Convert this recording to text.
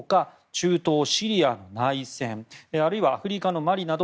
中東シリアの内戦あるいはアフリカのマリなど